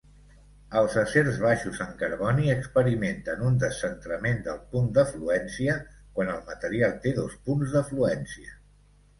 Els acers baixos en carboni experimenten un descentrament del punt de fluència quan el material té dos punts de fluència.